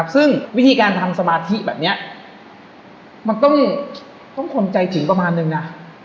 ซึ่งวิธีการทำสมาธิแบบนี้มันต้องคนใจถึงประมาณนึงนะ